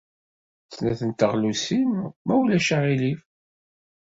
Snat n teɣlusin, ma ulac aɣilif.